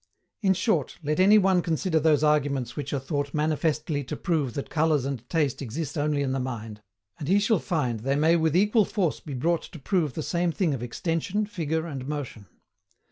In short, let any one consider those arguments which are thought manifestly to prove that colours and taste exist only in the mind, and he shall find they may with equal force be brought to prove the same thing of extension, figure, and motion.